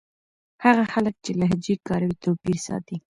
هغه خلک چې لهجې کاروي توپير ساتي.